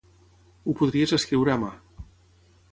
Ho podries escriure a mà.